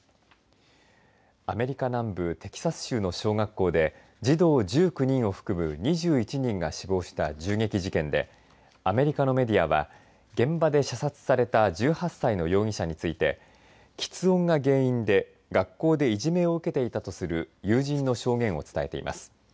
アメリカ南部テキサス州の小学校で児童１９人を含む２１人が死亡した銃撃事件でアメリカのメディアは現場で射殺された１８歳の容疑者についてきつ音が原因で学校でいじめを受けていたとする友人の証言を伝えています。